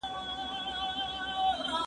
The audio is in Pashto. زه به سبا انځورونه رسم کړم،